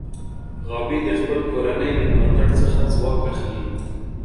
غابي د خپل کورنۍ د ملاتړ څخه ځواک اخلي.